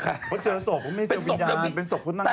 เขาเจอศพเขาไม่เจอวิญญาณเป็นศพพุทธนักภาพ